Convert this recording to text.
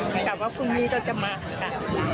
แต่ว่าพรุ่งนี้ก็จะมาค่ะ